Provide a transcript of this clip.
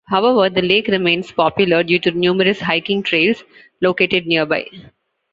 However, the lake remains popular due to the numerous hiking trails located nearby.